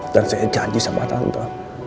dan saya janji sama tante